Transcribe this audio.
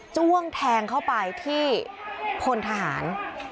จ้วงแทงเข้าไปที่พลทหาร